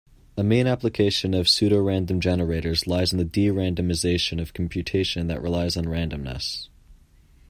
A main application of pseudorandom generators lies in the de-randomization of computation that relies on randomness.